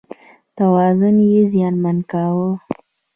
توازن یې زیانمن کاوه.